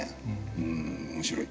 うん面白い。